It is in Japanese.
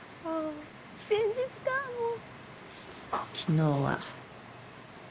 前日かもう。